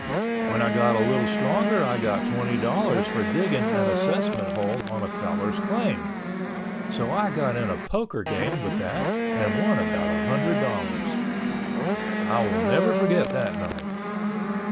When I got a little stronger I got twenty dollars for digging an assessment hole on a fellow's claim, so I got in a poker game with that and won about a hundred dollars. I will never forget that night.